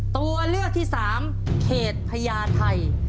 ตัวเลือกที่๓เขตพญาไทย